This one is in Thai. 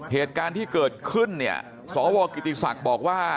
เหตุการณ์ที่เกิดขึ้นเนี่ยสวกิติศักดิ์บอกว่า